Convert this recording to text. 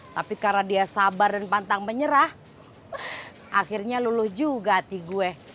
tapi karena dia sabar dan pantang menyerah akhirnya luluh juga hati gue